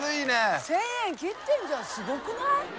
１０００円切ってるじゃんすごくない？